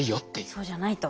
そうじゃないと。